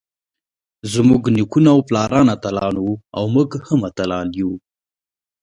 زمونږ نيکونه او پلاران اتلان ول اؤ مونږ هم اتلان يو.